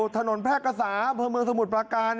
ถนนแพร่กษาพ่อมือสมุทรประการ